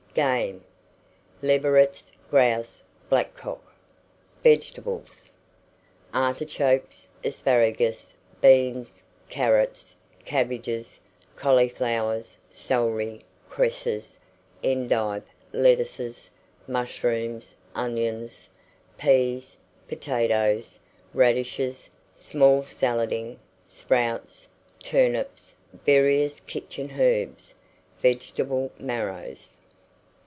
GAME. Leverets, grouse, blackcock. VEGETABLES. Artichokes, asparagus, beans, carrots, cabbages, cauliflowers, celery, cresses, endive, lettuces, mushrooms, onions, pease, potatoes, radishes, sea bale, small salading, sprouts, turnips, various kitchen herbs, vegetable marrows.